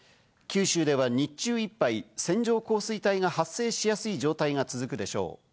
九州では日中いっぱい線状降水帯が発生しやすい状態が続くでしょう。